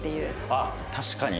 ああ確かに。